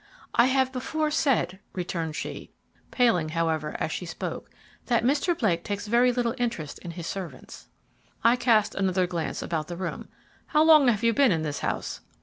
"I have before said," returned she, paling however as she spoke, "that Mr. Blake takes very little interest in his servants." I cast another glance about the room. "How long have you been in this house?"